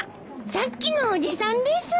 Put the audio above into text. さっきのおじさんです。